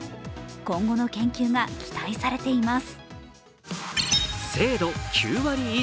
今後の研究が期待されています。